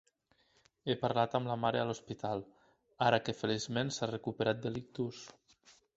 He parlat amb la mare a l'hospital, ara que feliçment s'ha recuperat de l'ictus.